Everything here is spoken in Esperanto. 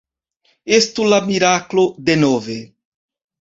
Estu la miraklo denove!